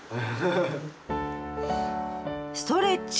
ストレッチ！